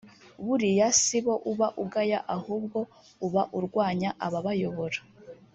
buriya sibo uba ugaya ahubwo uba urwanya ababayobora